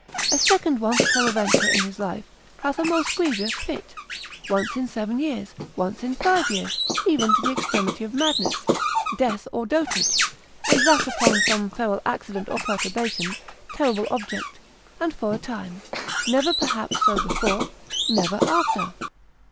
A second once peradventure in his life hath a most grievous fit, once in seven years, once in five years, even to the extremity of madness, death, or dotage, and that upon, some feral accident or perturbation, terrible object, and for a time, never perhaps so before, never after.